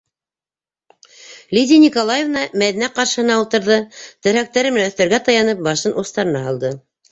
- Лидия Николаевна Мәҙинә ҡаршыһына ултырҙы, терһәктәре менән өҫтәлгә таянып, башын устарына һалды.